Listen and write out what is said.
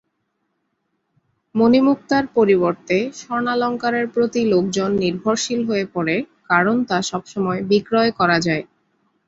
মণিমুক্তার পরিবর্তে স্বর্ণালঙ্কারের প্রতি লোকজন নির্ভরশীল হয়ে পড়ে, কারণ তা সবসময় বিক্রয় করা যায়।